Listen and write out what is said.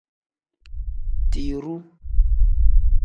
Tiruu.